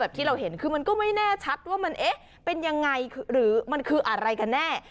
ที่เราเห็นคือมันก็ไม่แน่ชัดว่ามันเอ๊ะเป็นยังไงหรือมันคืออะไรกันแน่